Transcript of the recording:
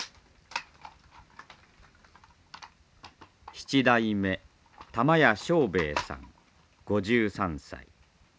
七代目玉屋庄兵衛さん５３歳。